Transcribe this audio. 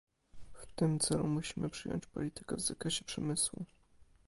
W tym celu musimy przyjąć politykę w zakresie przemysłu